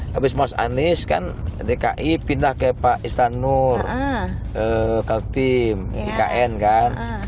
habis mas anies kan dki pindah ke pak istan nur ke kaltim ikn kan